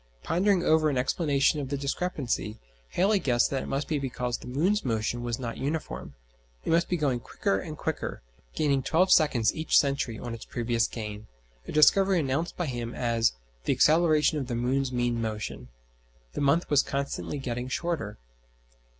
Pondering over an explanation of the discrepancy, Halley guessed that it must be because the moon's motion was not uniform, it must be going quicker and quicker, gaining twelve seconds each century on its previous gain a discovery announced by him as "the acceleration of the moon's mean motion." The month was constantly getting shorter.